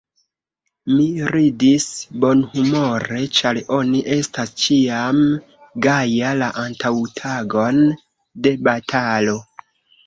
Mi ridis bonhumore, ĉar oni estas ĉiam gaja, la antaŭtagon de batalo.